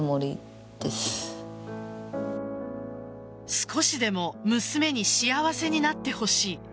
少しでも娘に幸せになってほしい。